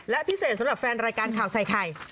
และพิเศษสำหรับแฟนรายการข่าวใส่ไข่